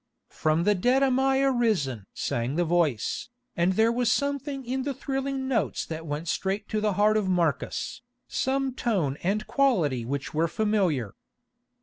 "From the dead am I arisen" sang the voice, and there was something in the thrilling notes that went straight to the heart of Marcus, some tone and quality which were familiar.